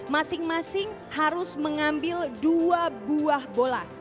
masing masing harus mengambil dua buah bola